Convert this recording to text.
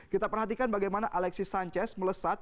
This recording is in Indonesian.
kita perhatikan bagaimana alexis sanchez meleset